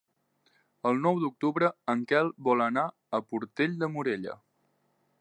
El nou d'octubre en Quel vol anar a Portell de Morella.